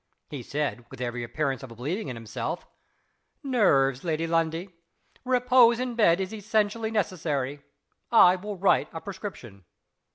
He said, with every appearance of believing in himself, "Nerves, Lady Lundie. Repose in bed is essentially necessary. I will write a prescription."